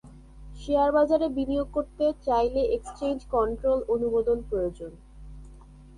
Share বাজারে বিনিয়োগ করতে চাইলে এক্সচেঞ্জ কন্ট্রোল অনুমোদন প্রয়োজন।